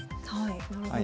なるほど。